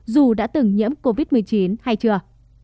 dù đã từng nhiễm covid một mươi chín hay chưa